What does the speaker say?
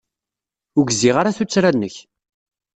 Ur gziɣ ara tuttra-nnek.